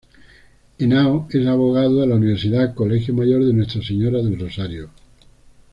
Henao es abogado de la Universidad Colegio Mayor de Nuestra Señora del Rosario.